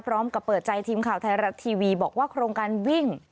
พร้อมกับเปิดใจทีมข่าวไทยรัตน์ทีวีบอกว่าโครงการวิ่ง